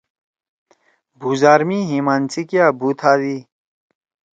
بُھوزار می ہِمان سی کیا بُھو تھادی۔